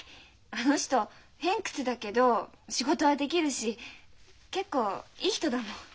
あの人偏屈だけど仕事はできるし結構いい人だもん。